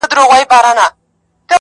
مور بې وسه ده او د حل لاره نه ويني,